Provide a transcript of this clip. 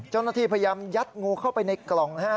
เจ้าหน้าที่พยายามยัดงูเข้าไปในกล่องนะฮะ